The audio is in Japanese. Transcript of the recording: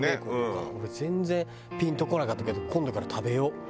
俺全然ピンとこなかったけど今度から食べよう。